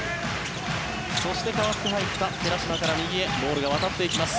そして代わって入った寺嶋から右へボールが渡っていきます。